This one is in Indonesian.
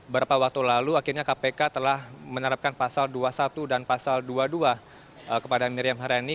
beberapa waktu lalu akhirnya kpk telah menerapkan pasal dua puluh satu dan pasal dua puluh dua kepada miriam haryani